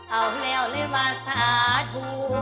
เอาแล้วเลยมาสาธุ